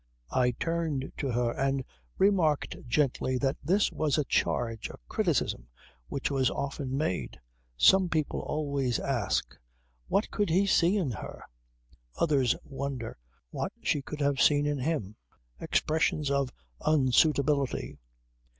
I turned to her and remarked gently that this was a charge, a criticism, which was often made. Some people always ask: What could he see in her? Others wonder what she could have seen in him? Expressions of unsuitability.